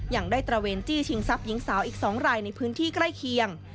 ยังได้ตระเวนจี้ชิงทรัพย์หญิงสาวอีก๒รายในพื้นที่ใกล้เคียง